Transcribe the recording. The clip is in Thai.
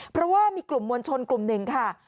เพราะว่ามีกลุ่มมวลชนกลุ่มหนึ่งค่ะ